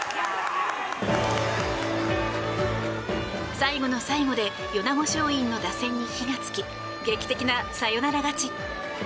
最後の最後で米子松蔭の打線に火がつき劇的なサヨナラ勝ち。